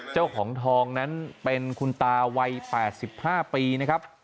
เจ้าของทองนั้นเป็นคุณตาวัย๘๕ปีนะครับ